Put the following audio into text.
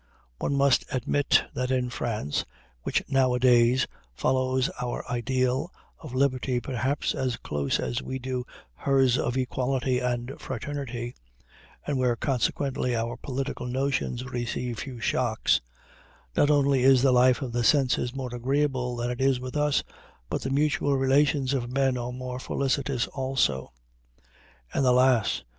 One must admit that in France (which nowadays follows our ideal of liberty perhaps as closely as we do hers of equality and fraternity, and where consequently our political notions receive few shocks) not only is the life of the senses more agreeable than it is with us, but the mutual relations of men are more felicitous also. And alas!